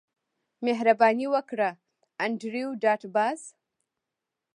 مهرباني وکړه انډریو ډاټ باس